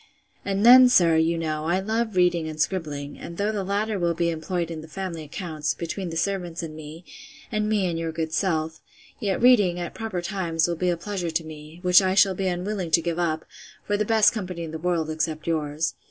And then, sir, you know, I love reading and scribbling; and though all the latter will be employed in the family accounts, between the servants and me, and me and your good self: yet reading, at proper times, will be a pleasure to me, which I shall be unwilling to give up, for the best company in the world, except yours.